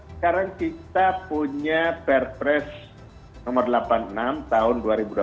sekarang kita punya perpres nomor delapan puluh enam tahun dua ribu dua puluh